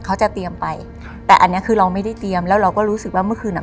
เขาจะเตรียมไปครับแต่อันเนี้ยคือเราไม่ได้เตรียมแล้วเราก็รู้สึกว่าเมื่อคืนอ่ะ